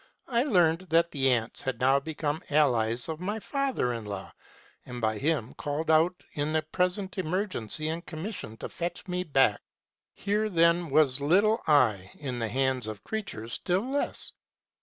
I learned that the ants had now become allies of m}T father in law, and by him been called out in the present emergency, and commissioned to fetch me back. Here, then, was little I in the hands of creatures still less.